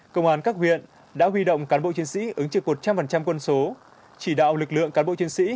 công an các huyện đã huy động cán bộ chiến sĩ ứng trực một trăm linh quân số chỉ đạo lực lượng cán bộ chiến sĩ